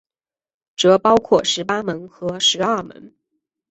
则包括十八门和十二门。